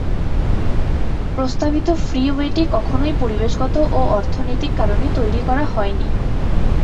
প্রস্তাবিত ফ্রি-ওয়েটি কখনই পরিবেশগত ও অর্থনৈতিক কারণে তৈরি করা হয়নি।